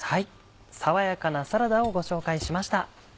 爽やかなサラダをご紹介しました。